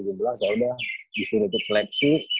saya udah disini tuh fleksi